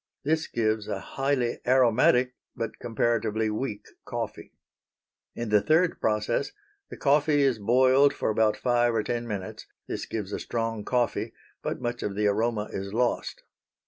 This gives a highly aromatic but comparatively weak coffee. In the third process the coffee is boiled for about five or ten minutes. This gives a strong coffee, but much of the aroma is lost.